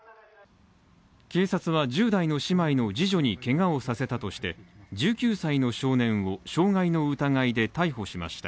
警察は、１０代の姉妹の次女にけがをさせたとして１９歳の少年を傷害の疑いで逮捕しました。